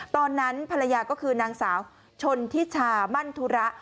ตอนนั้นภรรยาก็คือนางสาวชนทิชามั่นธุระ